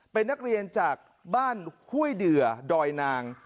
เป็นนักเรียนจากบ้านห้วยเดือดอยนาง